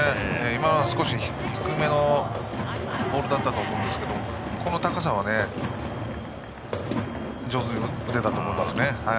今のは少し低めのボールだったと思いますが今の高さは上手に打てたと思います。